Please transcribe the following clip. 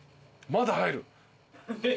まだ入る。